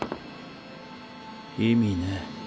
意味ね。